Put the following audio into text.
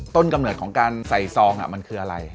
กำเนิดของการใส่ซองมันคืออะไร